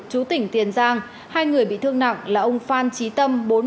chú tỉnh tiền giang hai người bị thương nặng là ông phan trí tâm